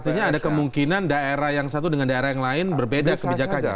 artinya ada kemungkinan daerah yang satu dengan daerah yang lain berbeda kebijakannya